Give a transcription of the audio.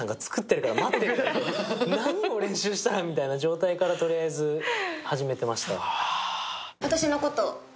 何の練習したら？の状態からとりあえず始めていました。